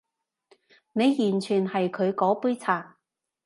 你完全係佢嗰杯茶